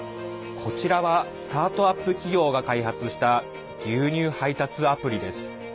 こちらはスタートアップ企業が開発した牛乳配達アプリです。